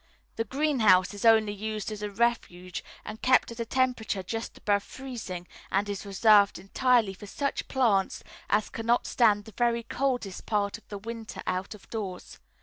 The greenhouse is only used as a refuge, and kept at a temperature just above freezing, and is reserved entirely for such plants as cannot stand the very coldest part of the winter out of doors.